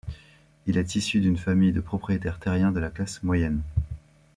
Il est issu d'une famille de propriétaire terrien de la classe moyenne.